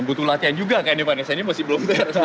butuh latihan juga kayaknya pak nesanya masih belum